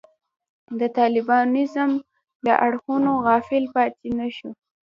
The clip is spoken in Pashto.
د طالبانیزم له اړخونو غافل پاتې نه شو.